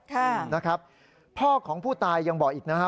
ค่ะนะครับพ่อของผู้ตายยังบอกอีกนะฮะ